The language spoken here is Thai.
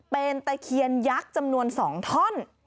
เป็นตะเคียนยักษ์จำนวน๒ท่อน